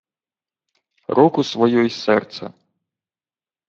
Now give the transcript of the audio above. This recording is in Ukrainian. — Руку свою й серце.